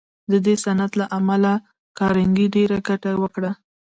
د دې صنعت له امله کارنګي ډېره ګټه وکړه